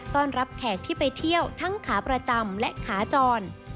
ต้อนรับแขกที่ไปเที่ยวทั้งขาประจำและขาจร